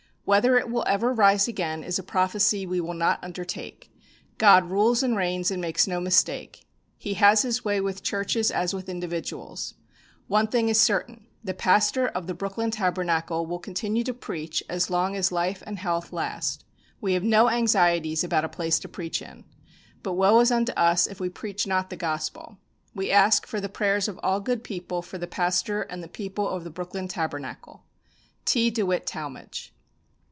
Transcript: Whether it will ever rise again is a prophecy we will not undertake. God rules and reigns and makes no mistake. He has His way with churches as with individuals. One thing is certain: the pastor of the Brooklyn Tabernacle will continue to preach as long as life and health last. We have no anxieties about a place to preach in. But woe is unto us if we preach not the Gospel! We ask for the prayers of all good people for the pastor and people of the Brooklyn Tabernacle. "T. DEWITT TALMAGE."